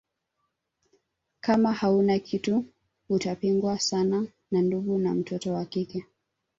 Kama hauna kitu utapigwa sana na ndugu wa mtoto wa kike